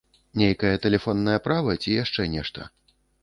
Нейкае тэлефоннае права, ці яшчэ нешта?